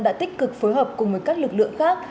đã tích cực phối hợp cùng với các lực lượng khác